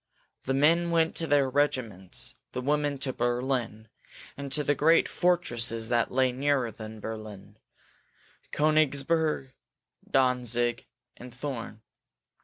The men went to their regiments; the women to Berlin, and to the great fortresses that lay nearer than Berlin Koenigsberg, Danzig, Thorn.